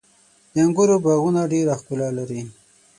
• د انګورو باغونه ډېره ښکلا لري.